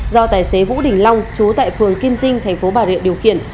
do tài xế vũ đình long chú tại phường kim dinh tp bà rịa điều khiển